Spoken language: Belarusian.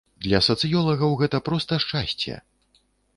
Для сацыёлагаў гэта проста шчасце.